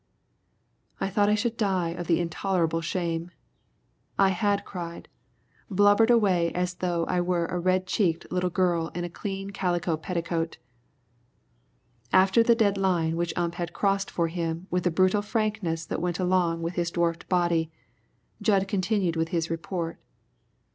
I thought I should die of the intolerable shame. I had cried blubbered away as though I were a red cheeked little girl in a clean calico petticoat. After the dead line which Ump had crossed for him with the brutal frankness that went along with his dwarfed body, Jud continued with his report.